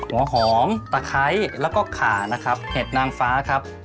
หัวหอมตะไคร้แล้วก็ขานะครับเห็ดนางฟ้าครับ